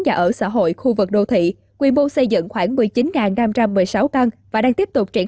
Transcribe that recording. và ở xã hội khu vực đô thị quy mô xây dựng khoảng một mươi chín năm trăm một mươi sáu căn